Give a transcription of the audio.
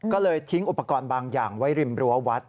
ก็เลยทิ้งอุปกรณ์บางอย่างไว้ริมรั้ววัด